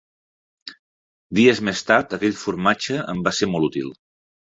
Dies més tard aquell formatge em va ser molt útil.